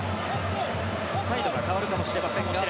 サイドが変わるかもしれませんが。